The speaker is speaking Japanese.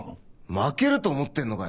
負けると思ってんのかよ。